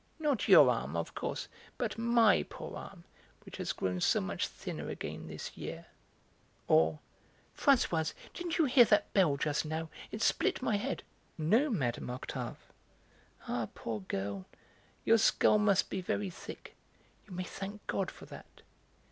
Not your arm, of course, but my poor arm, which has grown so much thinner again this year." Or: "Françoise, didn't you hear that bell just now! It split my head." "No, Mme. Octave." "Ah, poor girl, your skull must be very thick; you may thank God for that.